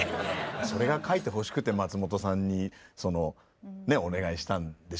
それが書いてほしくて松本さんにお願いしたんでしょうね。